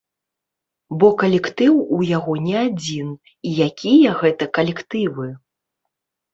Бо калектыў у яго не адзін, і якія гэта калектывы!